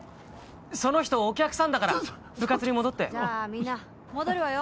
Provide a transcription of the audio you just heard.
その人お客さんだから部活に戻ってじゃあみんな戻るわよ